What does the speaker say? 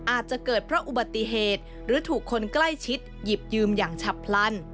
อาจจะเกิดเพราะอุบัติเหตุหรือถูกคนใกล้ชิดหยิบยืมอย่างฉับพลัน